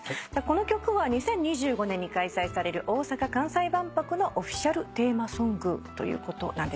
この曲は２０２５年に開催される大阪・関西万博のオフィシャルテーマソングということなんですよね。